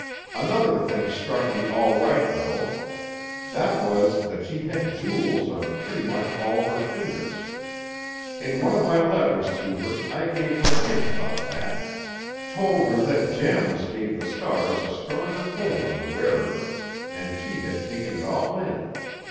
Another thing struck me all right, though. That was that she had jewels on pretty much all her fingers. In one of my letters to her I gave her a hint about that: told her that gems gave the stars a stronger hold on the wearer, and she had taken it all in.